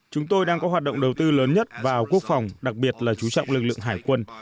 chúng tôi đang có hoạt động đầu tư lớn nhất vào quốc phòng đặc biệt là chú trọng lực lượng hải quân